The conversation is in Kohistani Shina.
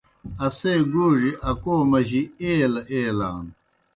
اسے گوڙیْ اکو مجیْ ایلہ ایلان۔